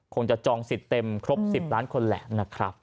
คงจะจองสิทธิ์เต็มครบ๑๐ล้านคนแหละนะครับ